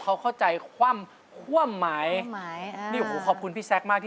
พี่ฝนครับหามือนีกะเป็นธรรมชาติ